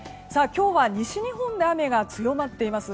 今日は西日本で雨が強まっています。